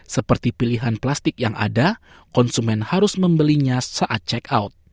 seperti pilihan plastik yang ada konsumen harus membelinya saat check out